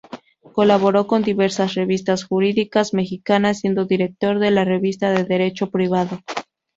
Colaboró con diversas revistas jurídicas mexicanas, siendo director de la Revista de Derecho Privado.